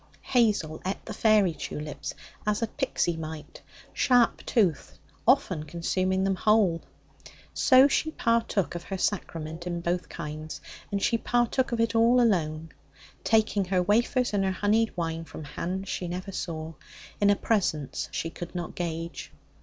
Hazel ate the fairy tulips as a pixie might, sharp toothed, often consuming them whole. So she partook of her sacrament in both kinds, and she partook of it alone, taking her wafers and her honeyed wine from hands she never saw, in a presence she could not gauge.